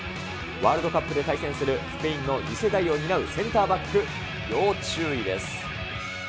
ワールドカップで対戦するスペインの次世代を担うセンターバック、要注意です。